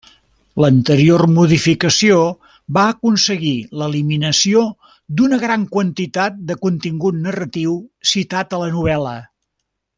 L'anterior modificació va aconseguir l'eliminació d'una gran quantitat de contingut narratiu citat a la novel·la.